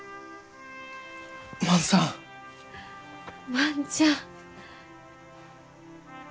万ちゃん！